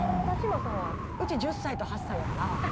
◆うち１０歳と８歳やから。